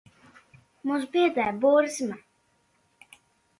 Mūs biedē burzma.